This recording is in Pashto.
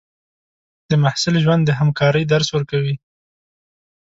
د محصل ژوند د همکارۍ درس ورکوي.